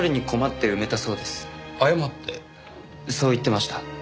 そう言ってました。